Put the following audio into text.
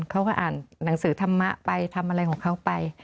เขาก็อ่านหนังสือธรรมะไปทำอะไรของเขาไป